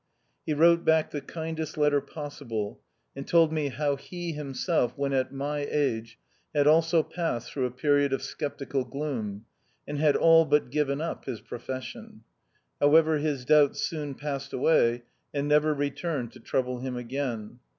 He wrote back the kindest letter possible, and told me how he himself, when at my age, had also passed through a period of sceptical gloom, and had all but given up his profession. However, his doubts soon passed away and never returned to trouble him again.